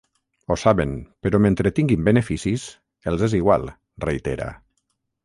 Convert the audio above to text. Ho saben, però mentre tinguin beneficis, els és igual, reitera.